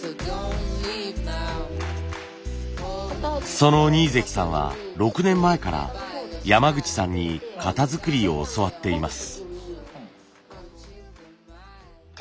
その二位関さんは６年前から山口さんに型作りを教わっています。